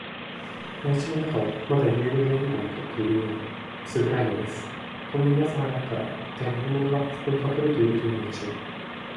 林の中は、まだゆうべのやみが残っているように、うす暗いのです。こんなに朝早くから、いったい何者が、そこにかくれているというのでしょう。